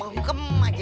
ngomong kem aja